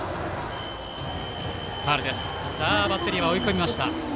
バッテリーは追い込みました。